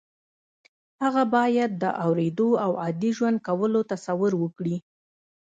هغه باید د اورېدو او عادي ژوند کولو تصور وکړي